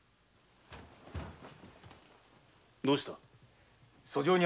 どうした？